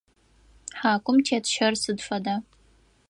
Хьакум тет щэр сыд фэда?